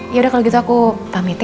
ya udah kalo gitu aku pamit ya